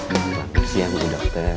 selamat siang bu dokter